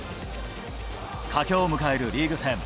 佳境を迎えるリーグ戦。